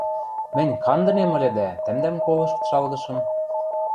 — Мӹнь кандынем ыльы дӓ тӓмдӓм колышт шалгышым.